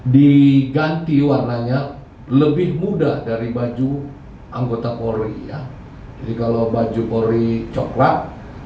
diganti warnanya lebih mudah dari baju anggota kori ya kalau baju kori coklat